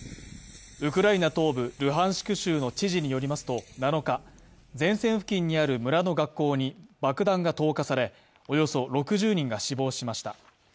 ウクライナ東部ルハンシク州の知事によりますと７日、前線付近にある村の学校に爆弾が投下され、およそ６０人が死亡しました。